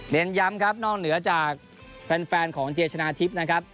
ย้ำครับนอกเหนือจากแฟนของเจชนะทิพย์นะครับ